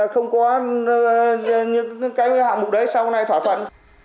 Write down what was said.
không có những cái hạng mục đấy sao con này thỏa thuận